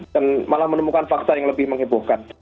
dan malah menemukan fakta yang lebih mengebohkan